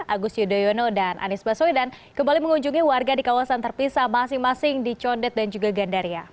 agus yudhoyono dan anies baswedan kembali mengunjungi warga di kawasan terpisah masing masing di condet dan juga gandaria